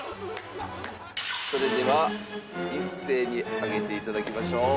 それでは一斉に上げていただきましょう。